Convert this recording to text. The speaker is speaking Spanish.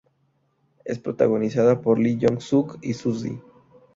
Es protagonizada por Lee Jong Suk y Suzy.